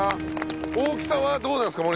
大きさはどうなんですか？